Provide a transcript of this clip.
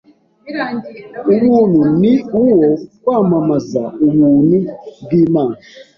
ubuntu ni uwo kwamamaza ubuntu bw’imana